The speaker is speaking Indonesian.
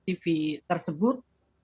tv tersebut untuk bisa mencari